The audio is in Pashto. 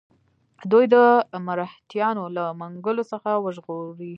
دوی د مرهټیانو له منګولو څخه وژغوري.